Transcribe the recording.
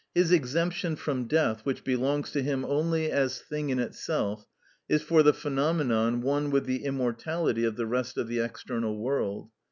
His exemption from death, which belongs to him only as thing in itself, is for the phenomenon one with the immortality of the rest of the external world.